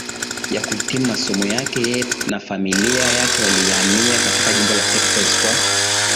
ya kuhitimu masomo yake yeye na familia yake walihamia katika jimbo la Texas Kwa